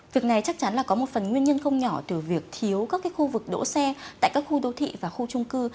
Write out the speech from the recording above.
việc này chắc chắn là có một phần nguyên nhân không nhỏ từ việc thiếu các khu vực đỗ xe tại các khu đô thị và khu trung cư